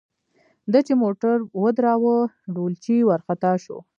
ده چې موټر ودراوه ډولچي ورخطا شو.